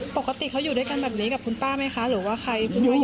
ปกติเขาอยู่ด้วยกันแบบนี้กับคุณป้าไหมคะหรือว่าใคร